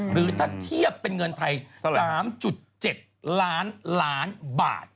หรือถ้าเทียบเป็นเงินไทย๓๗ล้านล้านบาท